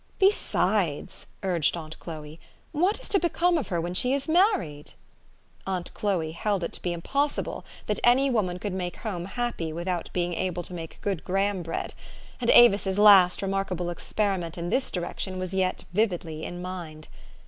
4 'Besides," urged aunt Chloe, " what is to become of her when she is married? " Aunt Chloe held it to be impossible that any woman could make home happy without being able to make good Graham bread ; and Avis's last remarkable experiment in this direction was yet vividly in mind.